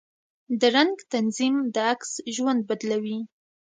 د رنګ تنظیم د عکس ژوند بدلوي.